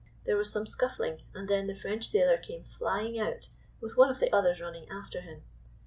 There was some scuffling, and then the French sailor came fly ing out with one of the others running after him.